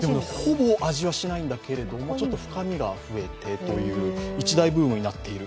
ほぼ味はしないんだけれども深みが増えてと、一大ブームになっている。